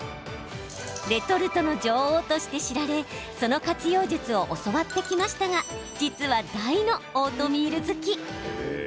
レトルトの女王として知られその活用術を教わってきましたが実は、大のオートミール好き。